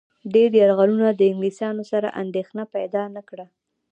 دې یرغلونو له انګلیسيانو سره اندېښنه پیدا نه کړه.